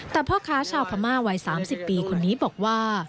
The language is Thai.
แต่พ่อค้าชาวพม่าวัย๓๐ปีคนนี้บอกว่า